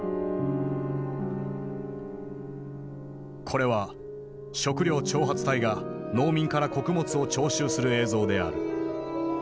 これは食糧徴発隊が農民から穀物を徴収する映像である。